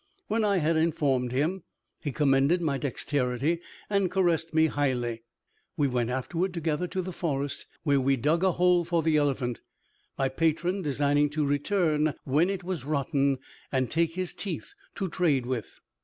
When I had informed him, he commended my dexterity, and caressed me highly. We went afterward together to the forest, where we dug a hole for the elephant; my patron designing to return when it was rotten, and take his teeth to trade with.